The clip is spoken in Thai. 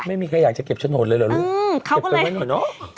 ไม่มีใครอยากจะเก็บฉนดเลยหรอลูก